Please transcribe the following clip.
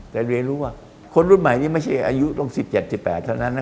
แต่เรียนรู้ว่าคนรุ่นใหม่นี้ไม่ใช่อายุต้อง๑๗๑๘เท่านั้นนะ